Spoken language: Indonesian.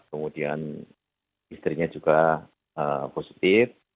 kemudian istrinya juga positif